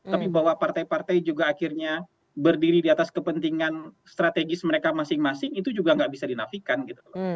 tapi bahwa partai partai juga akhirnya berdiri di atas kepentingan strategis mereka masing masing itu juga nggak bisa dinafikan gitu loh